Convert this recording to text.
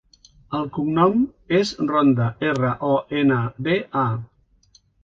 El cognom és Ronda: erra, o, ena, de, a.